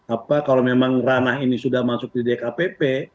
apa kalau memang ranah ini sudah masuk di dkpp